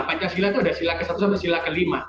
pancasila itu ada sila ke satu sama sila ke lima